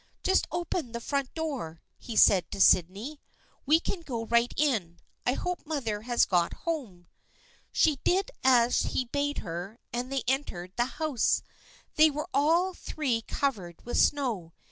Just open the front door," he said to Sydney. " We can go right in. I hope mother has got home." She did as he bade her and they entered the house. They were all three covered with snow.